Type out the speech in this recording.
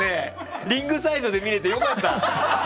リングサイドで見れて良かった。